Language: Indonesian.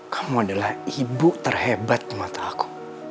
kamu adalah ibu terhebat di mata aku